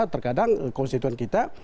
terkadang konstituen kita